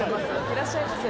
いらっしゃいませ。